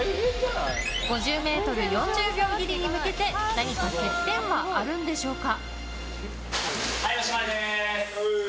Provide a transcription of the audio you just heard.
５０ｍ、４０秒切りに向けて何か欠点はあるんでしょうか。